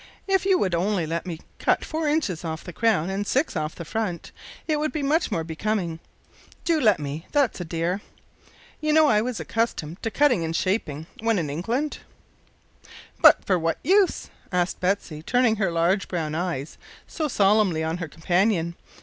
If you would only let me cut four inches off the crown and six off the front, it would be much more becoming. Do let me, there's a dear. You know I was accustomed to cutting and shaping when in England." "But what for the use?" asked Betsy, turning her large brown eyes solemnly on her companion.